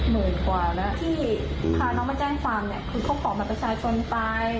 ๑๐บาทแล้วที่พาน้องมาแจ้งความคือเขาขอมาตัวชายคนไป